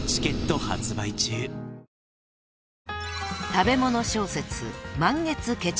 ［食べ物小説］